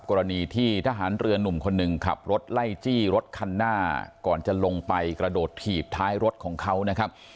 กรณีที่ทหารเรือนุ่มคนหนึ่งขับรถไล่จี้รถคันหน้าก่อนจะลงไปกระโดดถีบท้ายรถของเขานะครับ